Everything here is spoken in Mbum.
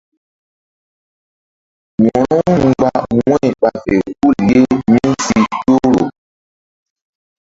Wo̧ro-u mgba wu̧y ɓa fe hul ye mí si ƴohro.